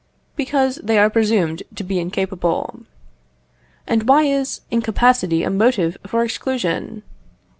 Because they are presumed to be incapable. And why is incapacity a motive for exclusion?